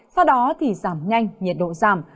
sau đó thì giảm nhanh nhiệt độ giảm